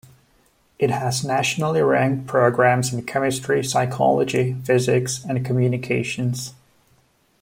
It has nationally ranked programs in chemistry, psychology, physics, and communications.